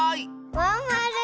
まんまる。